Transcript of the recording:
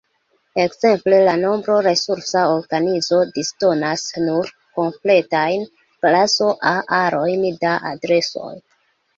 Ekzemple, la Nombro-Resursa Organizo disdonas nur kompletajn klaso-A-arojn da adresoj.